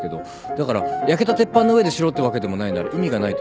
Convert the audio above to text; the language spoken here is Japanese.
だから焼けた鉄板の上でしろってわけでもないなら意味がないというか。